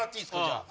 じゃあ。